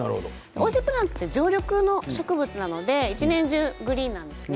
オージープランツって常緑の植物なので一年中グリーンなんですね。